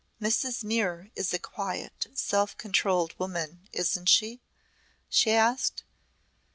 "Mrs. Muir is a quiet, self controlled woman, isn't she?" she asked.